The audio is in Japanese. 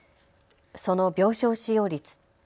その病床使用率。